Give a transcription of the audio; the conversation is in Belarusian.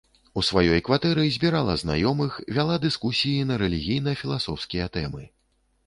У сваёй кватэры збірала знаёмых, вяла дыскусіі на рэлігійна-філасофскія тэмы.